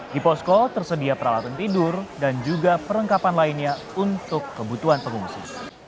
di posko tersedia peralatan tidur dan juga perlengkapan lainnya untuk kebutuhan pengungsi